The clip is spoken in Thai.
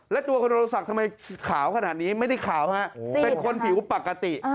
แล้วตัวคุณรงศักดิ์ทำไมขาวขนาดนี้ไม่ได้ขาวฮะเป็นคนผิวปกติ